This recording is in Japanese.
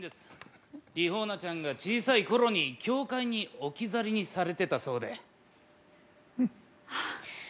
リホーナちゃんが小さいころに教会に置き去りにされてたそうで。